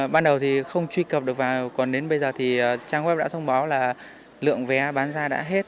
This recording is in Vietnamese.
ban đầu thì không truy cập được vào còn đến bây giờ thì trang web đã thông báo là lượng vé bán ra đã hết